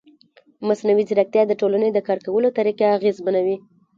مصنوعي ځیرکتیا د ټولنې د کار کولو طریقه اغېزمنوي.